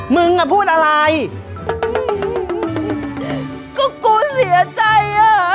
มึงอ่ะพูดอะไรก็กูเสียใจอ่ะ